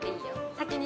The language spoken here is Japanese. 先に？